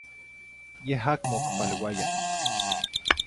Yeh acmo ocpaleuaya.